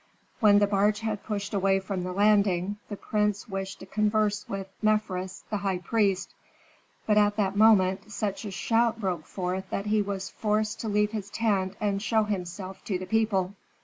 When the barge had pushed away from the landing, the prince wished to converse with Mefres, the high priest. But at that moment such a shout broke forth that he was forced to leave his tent and show himself to the people.